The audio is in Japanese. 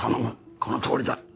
このとおりだ。